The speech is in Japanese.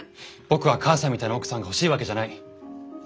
僕は母さんみたいな奥さんが欲しいわけじゃない。